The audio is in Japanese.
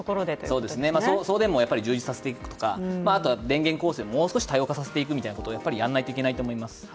送電網を充実していくとか、電源構成をもう少し多様化させていくみたいなことをやらないといけないと思います。